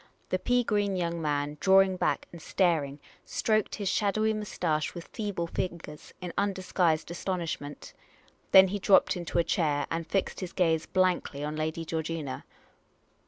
The pea green young man, drawing back and staring, stroked his shadowy moustache with feeble fingers in undisguised astonishment. Then he dropped into a chair and fixed his gaze blankly on Lady Georgina.